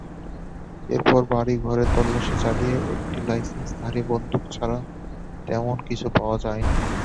এরপর বাড়ি-ঘরে তল্লাশি চালিয়ে একটি লাইসেন্সধারী বন্দুক ছাড়া তেমন কিছু পাওয়া যায়নি।